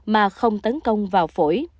mà không tấn công vào phổi